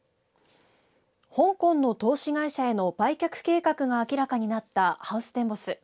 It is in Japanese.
香港の投資会社への売却計画が明らかになったハウステンボス。